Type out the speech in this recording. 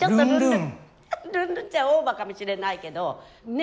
ルンルンっちゃオーバーかもしれないけどね